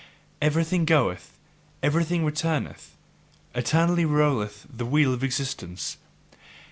Everything goeth, everything returneth; eternally rolleth the wheel of existence.